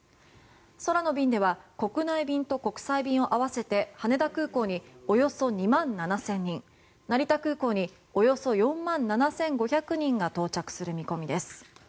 空の便では国内便と国際便を合わせて羽田空港におよそ２万７０００人成田空港におよそ４万７５００人が到着する見込みです。